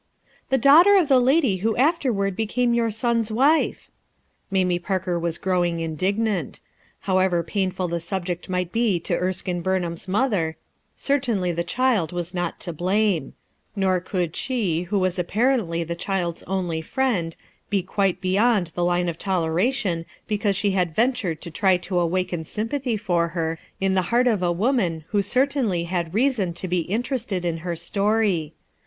*' "The daughter of the lady who afterward became your son's wife." Mamie Parker was growing indignant. However painful the sub ject might bo to Erskinc Burnham's mother, certainly the child was not to blame; nor could she, who was apparently the child's only friend, be quite beyond the line of toleration because die had ventured to try to awaken sympathy for her in the heart of a woman who certainly had reason to be Interested in her story.